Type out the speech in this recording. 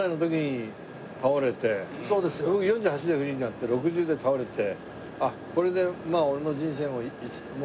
僕４８でフリーになって６０で倒れて。